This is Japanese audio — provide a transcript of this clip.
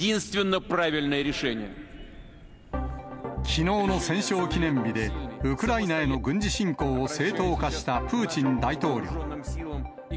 きのうの戦勝記念日で、ウクライナへの軍事侵攻を正当化したプーチン大統領。